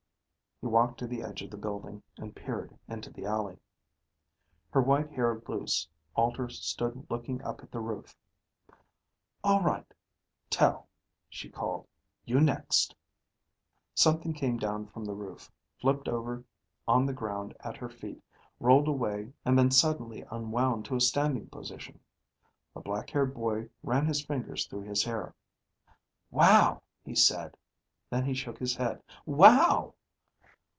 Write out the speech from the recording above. He walked to the edge of the building and peered into the alley. Her white hair loose, Alter stood looking up at the roof. "All right, Tel," she called. "You next." Something came down from the roof, flipped over on the ground at her feet, rolled away, and then suddenly unwound to standing position. The black haired boy ran his fingers through his hair. "Wow," he said. Then he shook his head. "Wow."